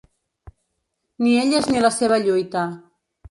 Ni elles ni la seva lluita.